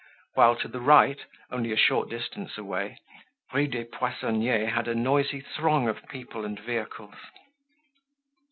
While, to the right, only a short distance away, Rue des Poissonniers had a noisy throng of people and vehicles.